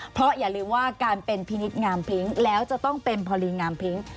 เพราะอย่าลืมว่าการเป็นพินิษฐ์งามพิ้งแล้วจะต้องเป็นพอดีงามพิ้ง